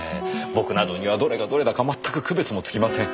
僕などにはどれがどれだか全く区別もつきません。